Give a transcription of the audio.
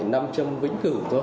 năm châm vĩnh cửu thôi